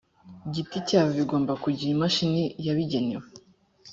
giti cyabo bigomba kugira imashini yabigenewe